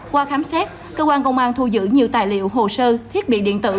qua khám xét cơ quan công an thu giữ nhiều tài liệu hồ sơ thiết bị điện tử